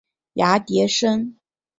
芽叠生。